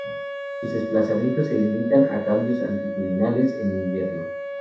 Sus desplazamientos se limitan a cambios altitudinales en invierno.